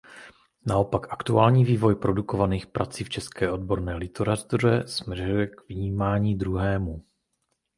Naopak aktuální vývoj produkovaných prací v české odborné literatuře směřuje k vnímání druhému.